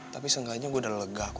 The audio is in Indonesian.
tapi seenggaknya gue udah lega kok